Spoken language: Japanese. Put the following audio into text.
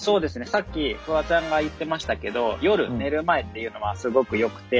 さっきフワちゃんが言ってましたけど夜寝る前っていうのはすごくよくて。